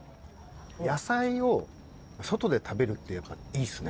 野菜を外で食べるっていいっすね。